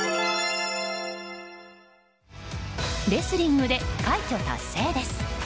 レスリングで快挙達成です。